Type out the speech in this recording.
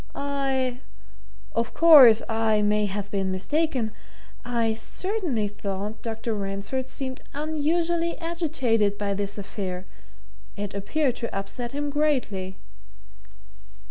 "I of course, I may have been mistaken I certainly thought Dr. Ransford seemed unusually agitated by this affair it appeared to upset him greatly."